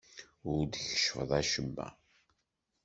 Ur d-keccfeɣ acemma.